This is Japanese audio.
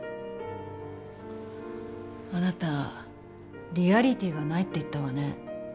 あなたリアリティーがないって言ったわね。